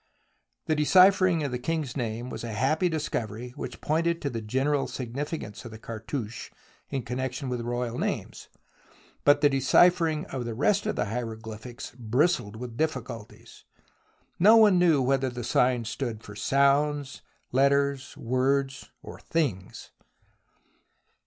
The deciphering of the king's name was a happy discovery which pointed to the general significance of the cartouche in connection with royal names. But the deciphering of the rest of the hiero glyphics bristled with difficulties. No one knew whether the signs stood for sounds, letters, words or things.